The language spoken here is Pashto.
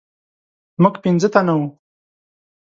موږ پنځه تنه وو.